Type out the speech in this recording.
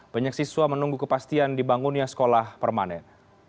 banyak siswa menunggu kepastian dibangunnya sekolah permanen